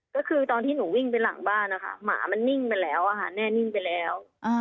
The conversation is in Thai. ก็คือตอนที่หนูวิ่งไปหลังบ้านนะคะหมามันนิ่งไปแล้วแน่นิ่งไปแล้ว